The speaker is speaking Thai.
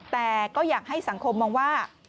แต่ก็อยากให้สังคมมองว่า